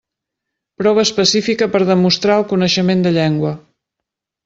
Prova específica per demostrar el coneixement de llengua.